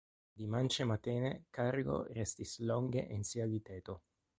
Dimanĉe matene Karlo restis longe en sia liteto.